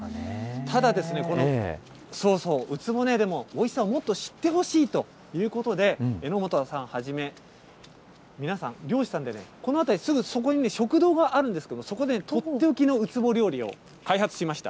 ただですね、ウツボね、おいしさをもっと知ってほしいということで、榎本さんはじめ皆さん、漁師さんでね、この辺り、すぐそこに食堂があるんですけど、そこで取って置きのウツボ料理を開発しました。